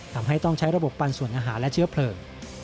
ทำให้ต้องใช้ระบบปันส่วนอาหารและเชื้อเพลิง